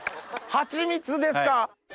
ハチミツですか！